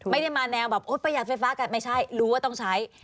ไม่ได้มาแนวแบบโอ๊ประหยัดไฟฟ้ากันไม่ใช่รู้ว่าต้องใช้